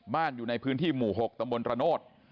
อยู่ในพื้นที่หมู่๖ตำบลระโนธ